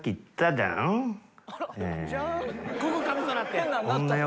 変なんなったよ。